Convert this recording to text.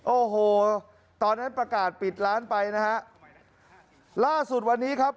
โอ้โหตอนนั้นประกาศปิดร้านไปนะฮะล่าสุดวันนี้ครับ